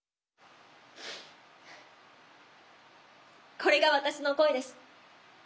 これが私の声です。